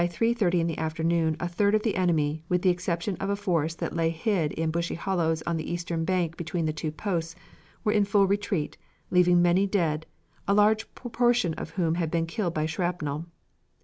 30 in the afternoon a third of the enemy, with the exception of a force that lay hid in bushy hollows on the east bank between the two posts, were in full retreat, leaving many dead, a large proportion of whom had been killed by shrapnel.